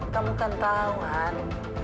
kamu kan tahu an